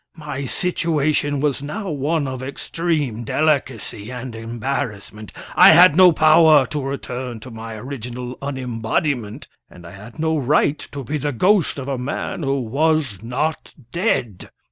My situation was now one of extreme delicacy and embarrassment. I had no power to return to my original unembodiment, and I had no right to be the ghost of a man who was not dead.